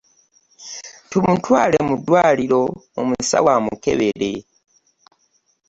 Tumutwale muddwaliro omusawo amukebere.